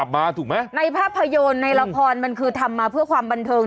มาถูกไหมในภาพยนตร์ในละครมันคือทำมาเพื่อความบันเทิง